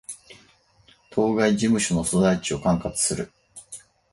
当該事務所の所在地を管轄する